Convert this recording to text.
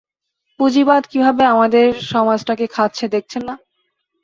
পুঁজিবাদ কীভাবে আমাদের সমাজটাকে খাচ্ছে দেখছেন না?